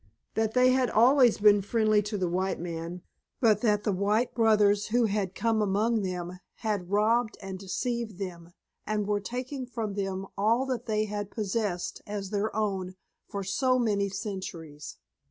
That they had always been friendly to the white man, but that the white brothers who had come among them had robbed and deceived them and were taking from them all that they had possessed as their own for so many centuries.